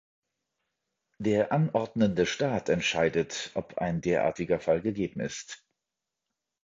Der anordnende Staat entscheidet, ob ein derartiger Fall gegeben ist.